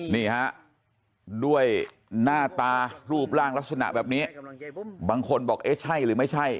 นี่ฮะด้วยหน้าตารูปร่างลักษณะแบบนี้บางคนบอกเอ๊ะใช่หรือไม่ใช่